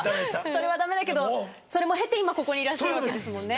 それはダメだけどそれも経て今ここにいらっしゃるわけですもんね。